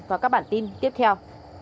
và các bản tin tiếp theo